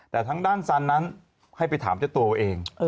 แต่ทางด้านซันนั้นให้ไปถามเจ้าตัวเอง